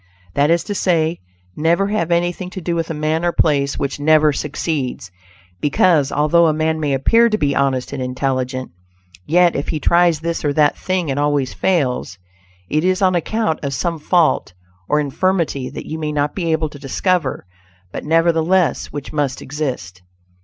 That is to say, never have anything to do with a man or place which never succeeds, because, although a man may appear to be honest and intelligent, yet if he tries this or that thing and always fails, it is on account of some fault or infirmity that you may not be able to discover but nevertheless which must exist.